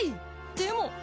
でも。